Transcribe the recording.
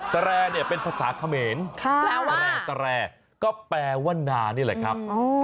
แสลเป็นภาษาเขมรแสลก็แปลว่านานี่แหละครับอ๋อ